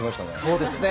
そうですね。